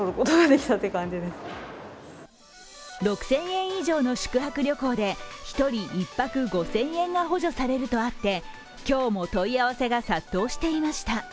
６０００円以上の宿泊旅行で１人１泊５０００円が補助されるとあって今日も問い合わせが殺到していました。